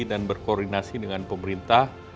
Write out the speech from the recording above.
dan berkoordinasi dengan pemerintah